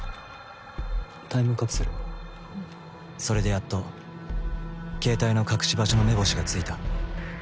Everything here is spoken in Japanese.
それでやっと携帯の隠し場所の目星がついた。